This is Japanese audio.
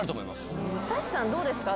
さしさんどうですか？